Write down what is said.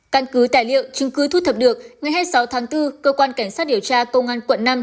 căn cứ tài liệu chứng cứ thu thập được ngày hai mươi sáu tháng bốn cơ quan cảnh sát điều tra công an quận năm